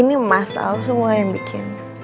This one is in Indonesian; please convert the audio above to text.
ini emas aku semua yang bikin